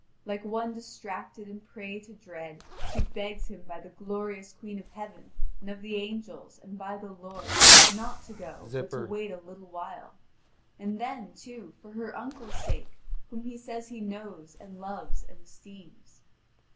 Like one distracted and prey to dread, she begs him by the glorious queen of heaven and of the angels, and by the Lord, not to go but to wait a little while; and then, too, for her uncle's sake, whom he says he knows, and loves, and esteems.